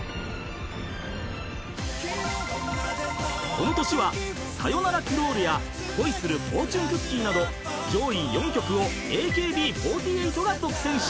［この年は『さよならクロール』や『恋するフォーチュンクッキー』など上位４曲を「ＡＫＢ４８」が独占しました］